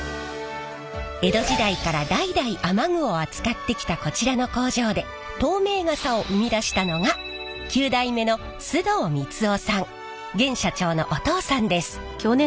江戸時代から代々雨具を扱ってきたこちらの工場で透明傘を生み出したのが現社長のお父さんです。